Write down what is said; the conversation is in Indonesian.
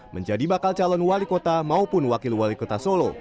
menjadi bakal calon wali kota maupun wakil wali kota solo